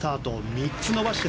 ３つ伸ばして